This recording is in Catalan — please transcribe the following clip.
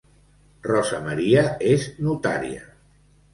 Rosa Maria és notària